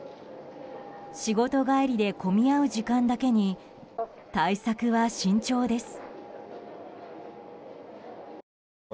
仕事帰りで混み合う時間だけに対策は慎重です。